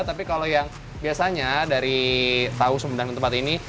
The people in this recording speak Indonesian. tapi kalau yang biasanya dari tahu sumedang dan tempat ini